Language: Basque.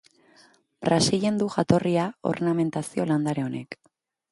Brasilen du jatorria ornamentazio landare honek.